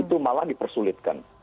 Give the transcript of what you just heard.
itu malah dipersulitkan